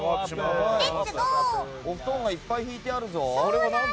レッツゴー！お布団がいっぱい敷いてあるぞ。